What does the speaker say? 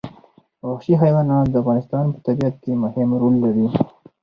وحشي حیوانات د افغانستان په طبیعت کې مهم رول لري.